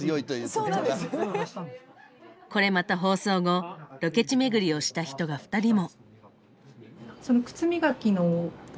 これまた放送後ロケ地巡りをした人が２人も。